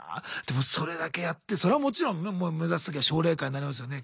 でもそれだけやってそれはもちろん目指すべきは奨励会になりますよね